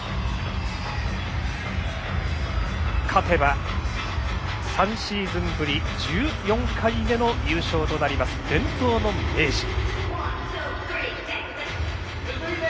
勝てば、３シーズンぶり１４回目の優勝となります、伝統の明治。